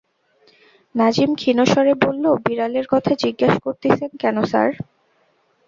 নাজিম ক্ষীণ স্বরে বলল, বিড়ালের কথা জিজ্ঞাস করতেছেন কেন স্যার?